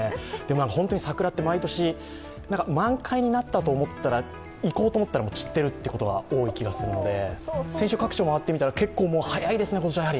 本当に桜って毎年満開になったと思ったら行こうと思ったら散っているということが多いと思うので先週、各地を回ってみたらやはり早いですね、今年は。